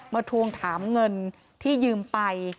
ทวงถามเงินที่ยืมไป